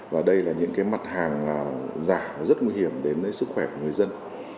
và đây là những mặt hàng giả rất nguy hiểm đến sức khỏe của người dân